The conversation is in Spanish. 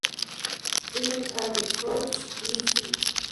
In: A. de Candolle y C. de Candolle.